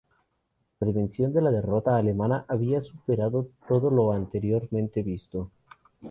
La dimensión de la derrota alemana había superado todo lo anteriormente visto.